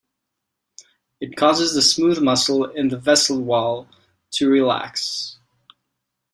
It causes the smooth muscle in the vessel wall to relax.